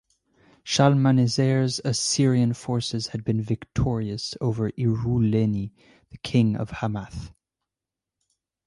Shalmaneser's Assyrian forces had been victorious over Iruleni, the King of Hamath.